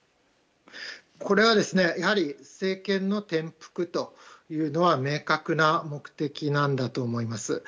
これはやはり政権の転覆というのは明確な目的なんだと思います。